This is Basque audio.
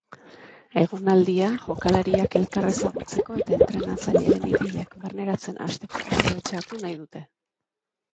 Egonaldia jokalariak elkar ezagutzeko eta entrenatzailearen ideiak barneratzen hasteko aprobetxatu nahi dute.